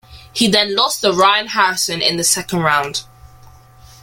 He then lost to Ryan Harrison in the second round.